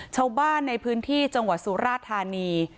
ชาวบ้านในพื้นที่จังหวัดสุราธานี